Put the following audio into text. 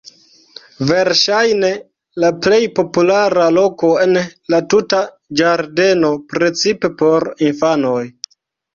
Verŝajne la plej populara loko en la tuta ĝardeno, precipe por infanoj.